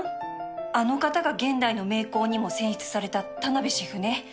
あの方が「現代の名工」にも選出された田辺シェフね